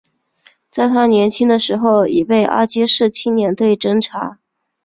在他年轻的时候已被阿积士青年队侦察。